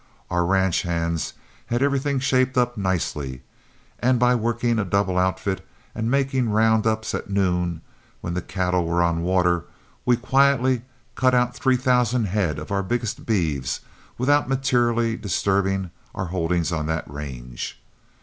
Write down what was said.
Our ranch hands had everything shaped up nicely, and by working a double outfit and making round ups at noon, when the cattle were on water, we quietly cut out three thousand head of our biggest beeves without materially disturbing our holdings on that range.